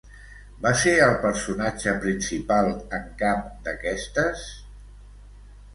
Va ser el personatge principal en cap d'aquestes?